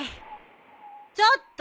ちょっと。